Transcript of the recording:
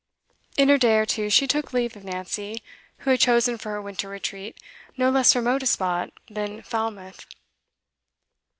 In a day or two she took leave of Nancy, who had chosen for her winter retreat no less remote a spot than Falmouth.